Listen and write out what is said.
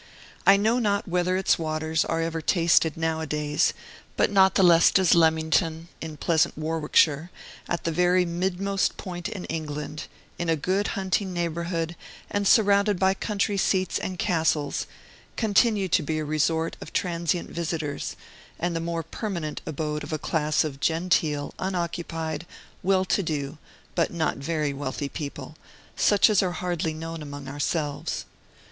I know not whether its waters are ever tasted nowadays; but not the less does Leamington in pleasant Warwickshire, at the very midmost point of England, in a good hunting neighborhood, and surrounded by country seats and castles continue to be a resort of transient visitors, and the more permanent abode of a class of genteel, unoccupied, well to do, but not very wealthy people, such as are hardly known among ourselves.